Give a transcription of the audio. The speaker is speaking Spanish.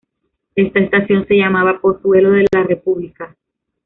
Esta estación se llamaba "Pozuelo de la República".